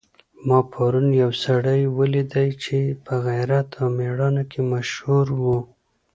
ما پرون یو سړی ولیدی چي په غیرت او مېړانه کي مشهور و.